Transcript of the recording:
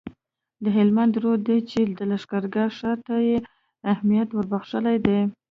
د هلمند رود دی چي د لښکرګاه ښار ته یې اهمیت وربخښلی دی